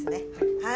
はい。